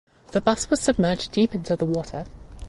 The bus was submerged deep into the water.